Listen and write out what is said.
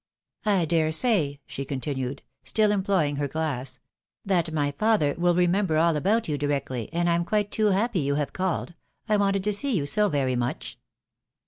" I dare say," she continued, still employing her glass, " that my father will remember all about you directly, and I am quite too happy you have called, I wanted to see you so very much."